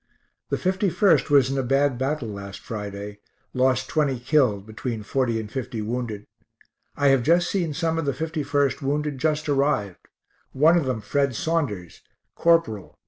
The 51st was in a bad battle last Friday; lost 20 killed, between 40 and 50 wounded. I have just seen some of the 51st wounded just arrived, one of them Fred Saunders, Corporal Co.